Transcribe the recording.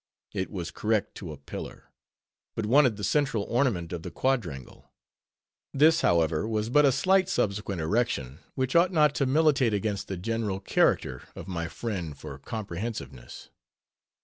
It was correct to a pillar; but wanted the central ornament of the quadrangle. This, however, was but a slight subsequent erection, which ought not to militate against the general character of my friend for comprehensiveness.